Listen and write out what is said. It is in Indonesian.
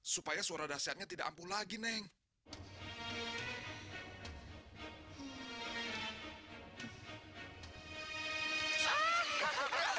si penyihir pulang aja